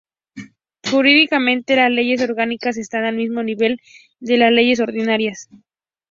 Jurídicamente, las leyes orgánicas están al mismo nivel de las leyes ordinarias.